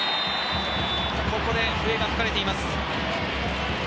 ここで笛が吹かれています。